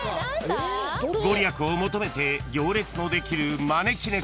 ［御利益を求めて行列のできる招き猫］